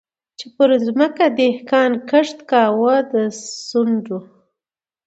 چي پر مځکه دهقان کښت کاوه د سونډو